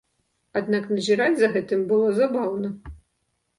Аднак назіраць за гэтым было забаўна.